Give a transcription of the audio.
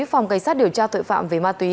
phòng cảnh sát điều tra tội phạm về ma túy